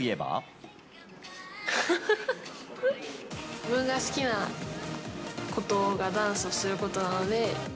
自分が好きなことがダンスをすることなので。